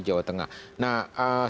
jawa tengah nah satu ratus enam